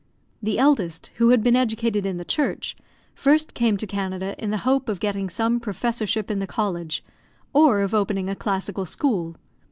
The eldest, who had been educated for the Church, first came to Canada in the hope of getting some professorship in the college, or of opening a classical school.